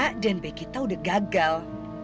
d trik a dan b kita udah gagal